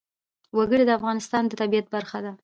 وګړي د افغانستان د طبیعت برخه ده.